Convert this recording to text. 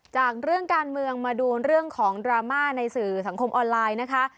จากเรื่องการเมืองมาดูเรื่องของดราม่าในสื่อสังคมออนไลน์นะคะ